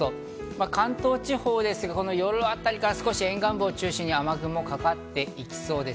関東地方で夜あたりから沿岸部を中心に雨雲がかかっていきそうです。